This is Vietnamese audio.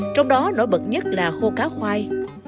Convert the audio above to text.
trong đó nổi bật nhất là khô cá khoai